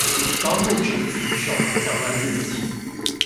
高木直子手忙腳亂日記